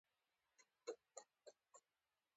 د عواطفو او فکر مطابق ژوند ترې اخلو.